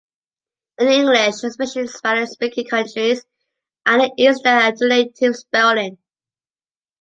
In the English and especially Spanish speaking countries, Anya is the alternative spelling.